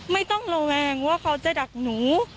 ไม่ต้องระแวงว่าเขาจะดักหนู